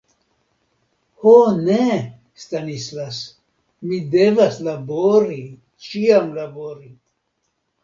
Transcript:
Ho ne, Stanislas, mi devas labori, ĉiam labori.